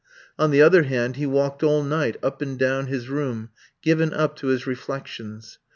On the other hand, he walked all night up and down his room, given up to his reflections.